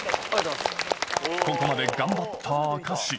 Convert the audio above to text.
ここまで頑張った証し。